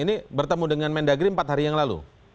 ini bertemu dengan mendagri empat hari yang lalu